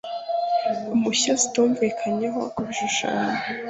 Impushya zitumvikanyweho ku bishushanyo